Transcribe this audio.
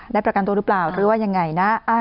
ประกันตัวหรือเปล่าหรือว่ายังไงนะ